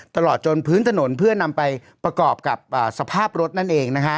ตลอดจนพื้นถนนเพื่อนำไปประกอบกับสภาพรถนั่นเองนะฮะ